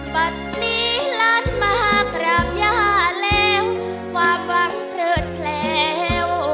บัตรนี้ล้านมากราบย่าแล้วความหวังเพลิดแผลว